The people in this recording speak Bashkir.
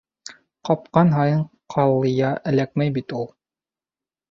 Ҡапҡан һайын ҡалъя эләкмәй бит ул...